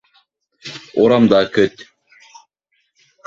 Урамда көт.